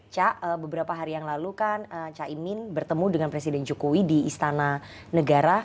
cak beberapa hari yang lalu kan caimin bertemu dengan presiden jokowi di istana negara